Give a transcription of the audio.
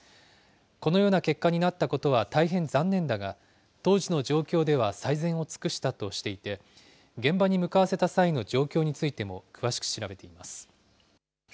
このような結果になったことは大変残念だが、当時の状況では最善を尽くしたとしていて、現場に向かわせた際の状況についても詳しく調べています。